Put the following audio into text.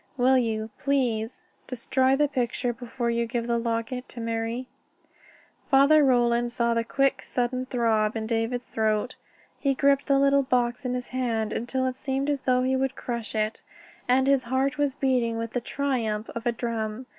Will you please destroy the picture before you give the locket to Marie?" Father Roland saw the quick, sudden throb in David's throat. He gripped the little box in his hand until it seemed as though he would crush it, and his heart was beating with the triumph of a drum.